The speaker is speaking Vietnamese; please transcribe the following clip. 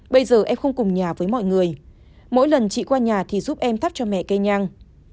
bây giờ em không cùng nhà với mọi người mỗi lần chị qua nhà thì giúp em thắp cho mẹ cây nhang